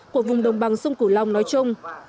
của vùng đồng bằng sông cửu long nói chung